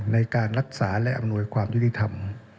ในการรักษาและอำนวยความยุติธรรม